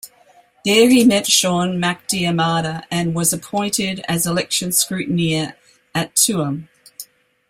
There he met Sean MacDiarmada and was appointed as election scrutineer at Tuam.